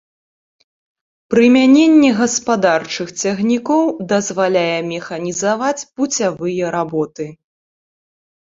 Прымяненне гаспадарчых цягнікоў дазваляе механізаваць пуцявыя работы.